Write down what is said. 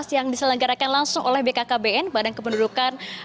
yang diselenggarakan langsung oleh bkkbn badan kependudukan